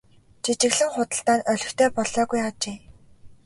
Жижиглэн худалдаа нь олигтой болоогүй ажээ.